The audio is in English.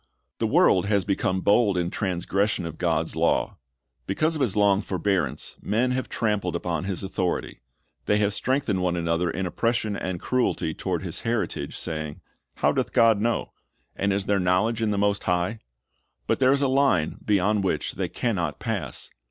"'' The world has become bold in transgression of God's law. Because of His long forbearance, men have trampled upon His authority. They have strengthened one another in oppression and cruelty toward His heritage, saying, "How doth God know ? and is there knowledge in the Most High?"^ But there is a line beyond which they can not pass.